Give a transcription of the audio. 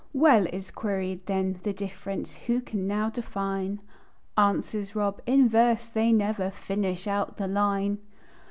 "Well," is queried then, "the difference Who can now define?" Answers Rob: "In verse they never Finish out the line!"